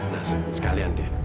nah sekalian deh